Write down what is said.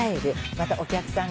またお客さんが。